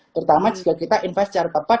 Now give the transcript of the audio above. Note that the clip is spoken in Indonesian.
terutama jika kita invest secara tepat